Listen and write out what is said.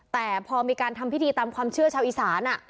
แต่พอมีการทำพิธีตามความเชื่อชาวอีสาน